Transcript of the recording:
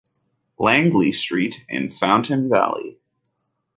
Langley Street in Fountain Valley.